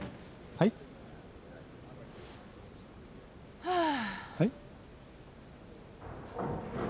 はい？はあ。